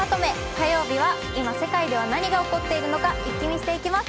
火曜日は世界では今何が起こっているのかイッキ見していきます。